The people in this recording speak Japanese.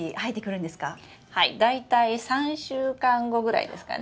大体３週間後ぐらいですかね。